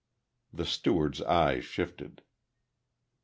The steward's eyes shifted.